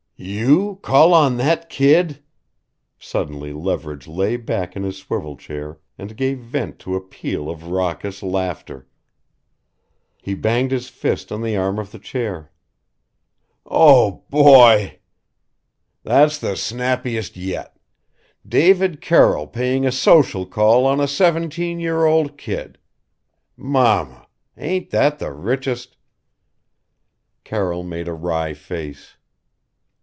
"You call on that kid " Suddenly Leverage lay back in his swivel chair and gave vent to a peal of raucous laughter. He banged his fist on the arm of the chair: "Oh! Boy! That's the snappiest yet. David Carroll paying a social call on a seventeen year old kid! Mama! Ain't that the richest " Carroll made a wry face.